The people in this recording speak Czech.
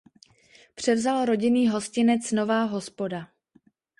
Převzal rodinný hostinec "Nová hospoda".